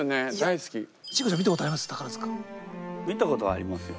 見たことはありますよ。